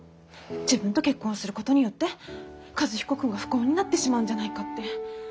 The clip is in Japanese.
自分と結婚することによって和彦君が不幸になってしまうんじゃないかって。